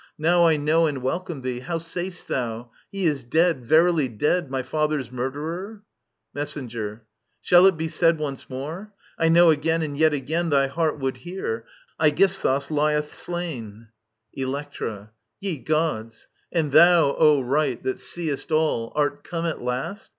Now I know and welcome thee. How sayst thou ? He is dead, verily dead, My Other's murderer •••? Messbngbil Shall it be said Once more ? I know again and yet again, Thy heart would hear. Aegisthus lieth slain I Electra. Ye Gods I And thou, O Right, that seest all. Art come at last